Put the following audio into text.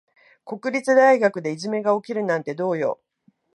国立大学でいじめが起きるなんてどうよ。